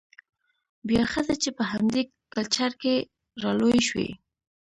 بيا ښځه چې په همدې کلچر کې رالوى شوې،